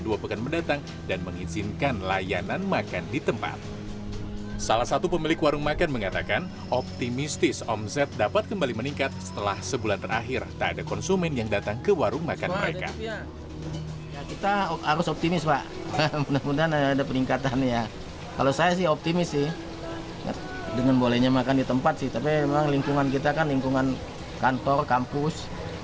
dengan bolehnya makan di tempat sih tapi memang lingkungan kita kan lingkungan kantor kampus